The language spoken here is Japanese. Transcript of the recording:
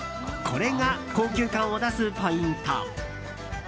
これが高級感を出すポイント。